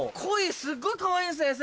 すっごいかわいいんですエサ